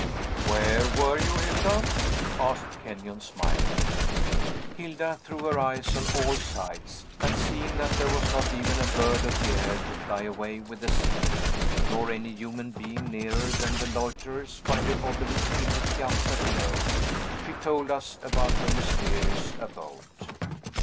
"Where were you, Hilda?" asked Kenyon, smiling. Hilda threw her eyes on all sides, and seeing that there was not even a bird of the air to fly away with the secret, nor any human being nearer than the loiterers by the obelisk in the piazza below, she told us about her mysterious abode.